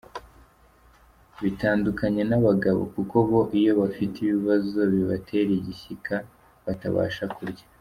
Bitandukanye n’abagabo, kuko bo iyo bafite ibibazo bibatera igishyika batabasha kurya.